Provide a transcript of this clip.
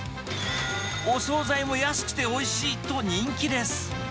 お総菜も安くておいしいと人気です。